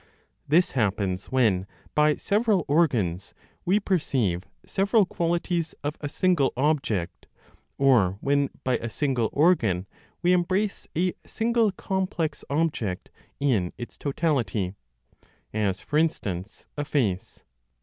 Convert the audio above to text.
This happens when by several organs we perceive several qualities of a single object, or when, by a single organ, we embrace a single complex object in its totality, as, for instance, a face.